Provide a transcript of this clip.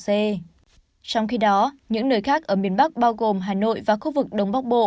trong khi đó những nơi khác ở miền bắc bao gồm hà nội và khu vực đông bắc bộ